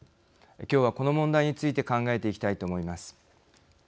きょうは、この問題について考えていきたいと思います。